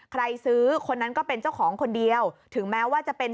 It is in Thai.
ใครซื้อคนนั้นก็เป็นเจ้าของคนเดียวถึงแม้ว่าจะเป็น